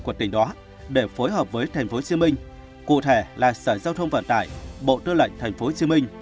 của tỉnh đó để phối hợp với tp hcm cụ thể là sở giao thông vận tải bộ tư lệnh tp hcm